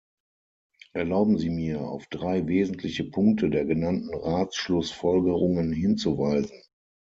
Erlauben Sie mir, auf drei wesentliche Punkte der genannten Ratsschlussfolgerungen hinzuweisen.